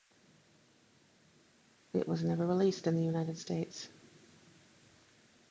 It was never released in the United States.